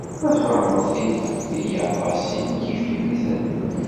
Ma tfehmeḍ tinna, tiyaḍ ɣas ini kifkif-itent.